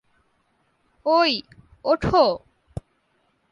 ওই, ওঠো!